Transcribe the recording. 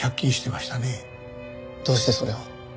どうしてそれを？